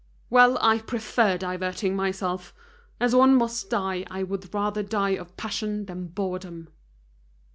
"Well, I prefer diverting myself. As one must die, I would rather die of passion than boredom!"